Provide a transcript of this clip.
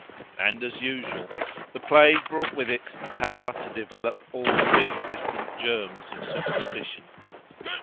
And, as usual, the plague brought with it a power to develop all pre existent germs of superstition.